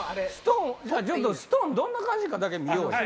ストーンどんな感じかだけ見ようよ。